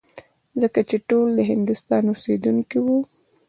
ځکه چې ټول د هندوستان اوسېدونکي وو.